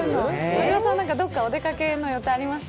児嶋さん、どこかお出かけの予定あります？